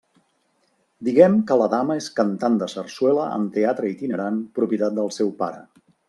Diguem que la dama és cantant de sarsuela en teatre itinerant propietat del seu pare.